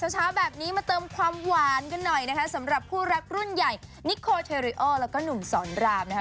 เช้าแบบนี้มาเติมความหวานกันหน่อยนะคะสำหรับคู่รักรุ่นใหญ่นิโคเทริโอแล้วก็หนุ่มสอนรามนะคะ